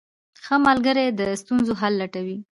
ښه ملګری د ستونزو حل لټوي.